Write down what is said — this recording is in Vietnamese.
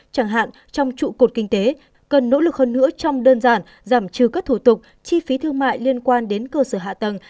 chẳng hạn trong trụ cột kinh tế cần nỗ lực hơn nữa trong đơn giản giảm trừ các thủ tục chi phí thương mại liên quan đến cơ sở hạ tầng